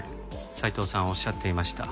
斉藤さんおっしゃっていました。